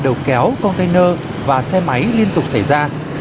đầu kéo container và xe máy liên tục xảy ra